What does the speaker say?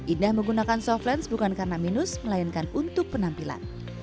indah menggunakan soft lens bukan karena minus melainkan untuk penampilan